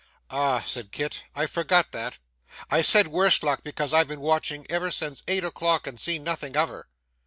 'Ah!' said Kit, 'I forgot that. I said worse luck, because I've been watching ever since eight o'clock, and seen nothing of her.